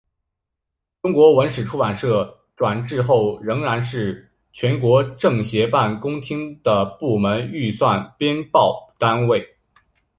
中国文史出版社转制后仍然是全国政协办公厅的部门预算编报单位。